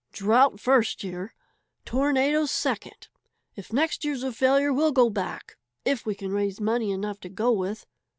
"Drought first year, tornado second. If next year's a failure, we'll go back if we can raise money enough to go with.